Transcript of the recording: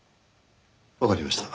わかりました。